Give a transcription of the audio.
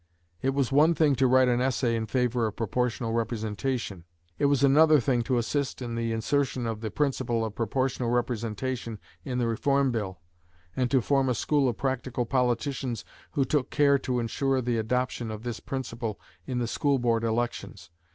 It was one thing to write an essay in favor of proportional representation it was another thing to assist in the insertion of the principle of proportional representation in the Reform Bill, and to form a school of practical politicians who took care to insure the adoption of this principle in the school board elections.